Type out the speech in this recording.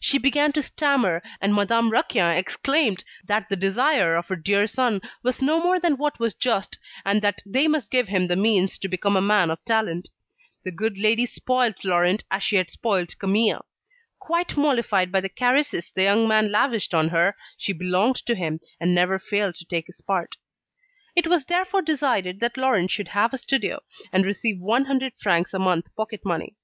She began to stammer, and Madame Raquin exclaimed that the desire of her dear son was no more than what was just, and that they must give him the means to become a man of talent. The good lady spoilt Laurent as she had spoilt Camille. Quite mollified by the caresses the young man lavished on her, she belonged to him, and never failed to take his part. It was therefore decided that Laurent should have a studio, and receive one hundred francs a month pocket money.